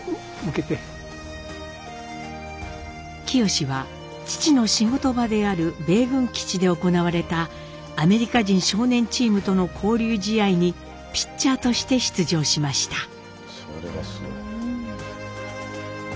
清は父の仕事場である米軍基地で行われたアメリカ人少年チームとの交流試合にピッチャーとして出場しました。